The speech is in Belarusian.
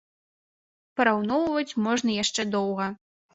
Параўноўваць можна яшчэ доўга.